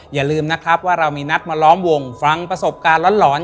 อย่าลืมนะครับว่าเรามีนัดมาล้อมวงฟังประสบการณ์หลอน